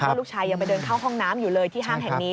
ลูกชายยังไปเดินเข้าห้องน้ำอยู่เลยที่ห้างแห่งนี้